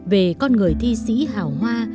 về con người thi sĩ hào hoa